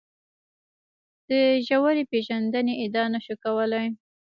د ژورې پېژندنې ادعا نه شو کولای.